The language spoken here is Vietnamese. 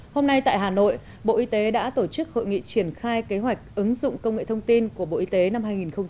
hôm nay tại hà nội bộ y tế đã tổ chức hội nghị triển khai kế hoạch ứng dụng công nghệ thông tin của bộ y tế năm hai nghìn hai mươi